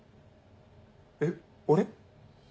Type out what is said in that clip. えっ俺？